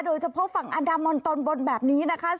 โดยเฉพาะฝั่งอันดามันตอนบนแบบนี้นะคะ